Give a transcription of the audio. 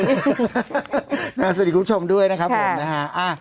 คุณผู้ชมด้วยนะครับผมนะฮะ